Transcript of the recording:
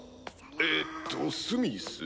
えっとスミス？